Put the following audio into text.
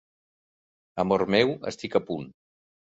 Amor meu, estic a punt!